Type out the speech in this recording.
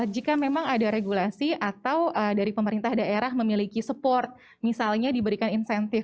jika memang ada regulasi atau dari pemerintah daerah memiliki support misalnya diberikan insentif